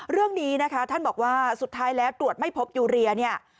เรื่องนี้นะคะท่านบอกว่าสุดท้ายแล้วตรวจไม่พบยูเรียเนี่ย